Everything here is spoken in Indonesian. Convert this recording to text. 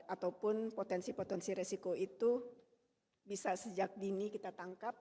ataupun potensi potensi resiko itu bisa sejak dini kita tangkap